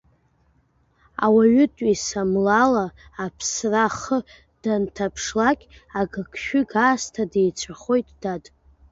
Ауаҩытәыҩса млала аԥсра ахы данҭаԥшлак, агыгшәыг аасҭа деицәахоит, дад…